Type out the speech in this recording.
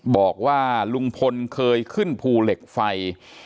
บอกว่าลุงพลเคยขึ้นภูเหล็กไฟ